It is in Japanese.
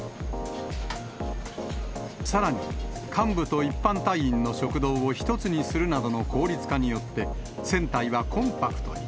さらに、幹部と一般隊員の食堂を一つにするなどの効率化によって、船体はコンパクトに。